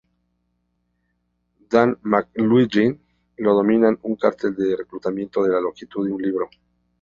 Dean McLaughlin lo denominó un "cartel de reclutamiento de la longitud de un libro.